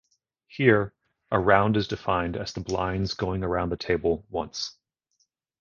Here, a round is defined as the blinds going around the table once.